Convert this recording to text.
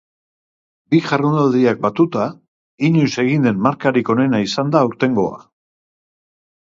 Bi jardunaldiak batuta, inoiz egin den markarik onena izan da aurtengoa.